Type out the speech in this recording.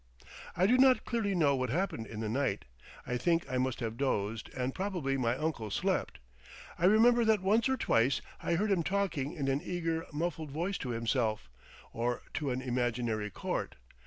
I do not clearly know what happened in the night. I think I must have dozed, and probably my uncle slept. I remember that once or twice I heard him talking in an eager, muffled voice to himself, or to an imaginary court.